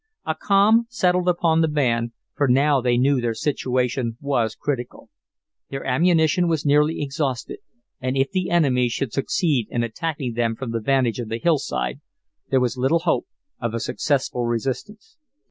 A calm settled upon the band, for now they knew their situation was critical. Their ammunition was nearly exhausted, and if the enemy should succeed in attacking them from the vantage of the hillside, there was little hope of a successful resistance.